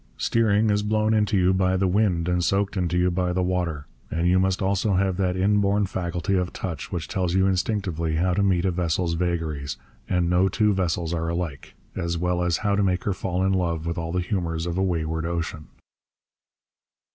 Steering is blown into you by the wind and soaked into you by the water. And you must also have that inborn faculty of touch which tells you instinctively how to meet a vessel's vagaries and no two vessels are alike as well as how to make her fall in with all the humours of a wayward ocean.